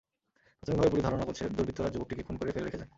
প্রাথমিকভাবে পুলিশ ধারণা করছে, দুর্বৃত্তরা যুবকটিকে খুন করে ফেলে রেখে যায়।